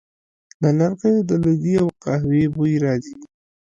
د لرګیو د لوګي او قهوې بوی راځي